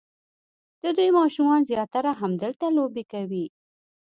د دوی ماشومان زیاتره همدلته لوبې کوي.